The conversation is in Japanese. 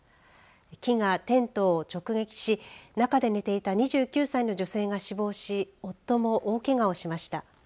木がテントを直撃し中で寝ていた２９歳の女性が死亡し夫も大けがをしました。